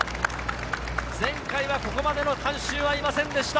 前回はここまでの観衆はいませんでした。